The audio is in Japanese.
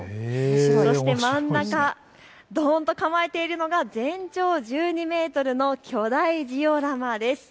そして真ん中、どんと構えているのが全長１２メートルの巨大ジオラマです。